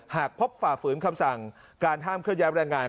หากพบฝ่าฝืนคำสั่งการห้ามเคลื่อย้ายแรงงาน